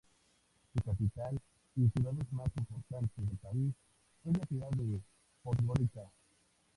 Su capital y ciudad más importante del país es la ciudad de Podgorica.